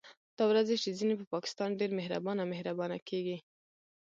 دا ورځې چې ځينې په پاکستان ډېر مهربانه مهربانه کېږي